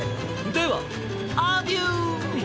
ではアデュー！